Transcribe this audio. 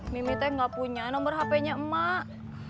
mimi teh enggak punya nomor hp nya emak